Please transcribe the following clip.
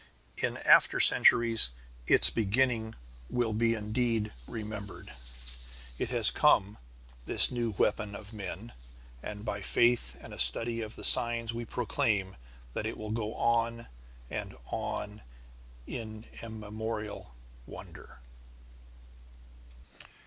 In after centuries its beginning will be indeed remembered. It has come, this new weapon of men, and by faith and a study of the signs we proclaim that it will go on and on in immemorial wonder.